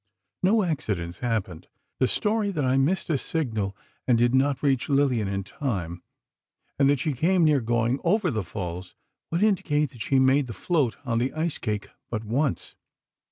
"No accidents happened: The story that I missed a signal and did not reach Lillian in time, and that she came near going over the falls, would indicate that she made the float on the ice cake but once.